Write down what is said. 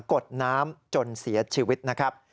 กดน้ำจนเสียชีวิตนะครับ